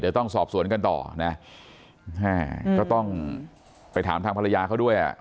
เดี๋ยวต้องสอบสวนกันต่อนะแม่ก็ต้องไปถามทางภรรยาเขาด้วยอ่ะ